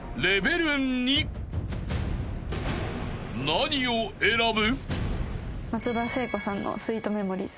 ［何を選ぶ？］